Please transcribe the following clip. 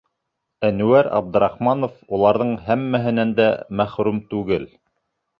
Әнүәр Абдрахманов уларҙың һәммәһенән дә мәхрүм түгел.